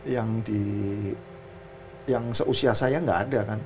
yang di yang seusia saya gak ada kan